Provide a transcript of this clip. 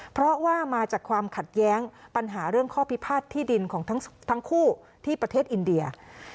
เพราะว่ามาจากความขัดแย้งปัญหาเรื่องข้อพิพาทที่ดินของทั้งคู่ที่ประเทศอินเดีย